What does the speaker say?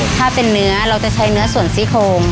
ถ้าเป็นเนื้อเราจะใช้เนื้อส่วนซี่โคง